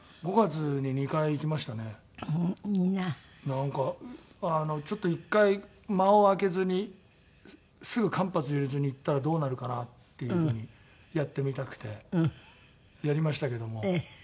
なんかちょっと１回間を空けずにすぐ間髪入れずに行ったらどうなるかなっていう風にやってみたくてやりましたけどもええ。